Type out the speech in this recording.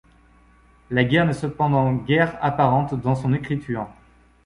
La guerre n'est cependant guère apparente dans son écriture.